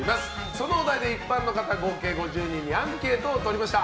そのお題で一般の方合計５０名にアンケートを取りました。